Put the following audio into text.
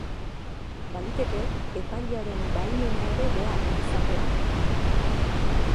Baliteke, epailearen baimena ere behar izatea.